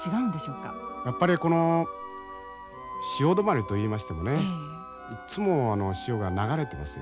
やっぱりこの潮止まりといいましてもねいっつも潮が流れてますよね。